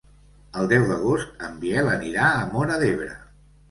El deu d'agost en Biel anirà a Móra d'Ebre.